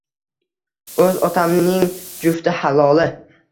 O`z otamning jufti haloli